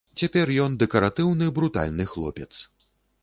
Цяпер ён дэкаратыўны брутальны хлопец.